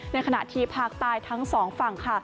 ในขณะที่ภาคใต้ทั้งสองฝั่งค่ะ